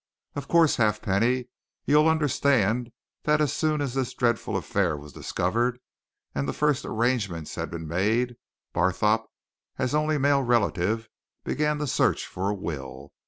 "Of course, Halfpenny, you'll understand that as soon as this dreadful affair was discovered and the first arrangements had been made, Barthorpe, as only male relative, began to search for a will.